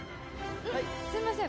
すみません。